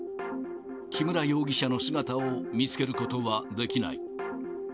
木村容疑者の姿を見つけることはできない。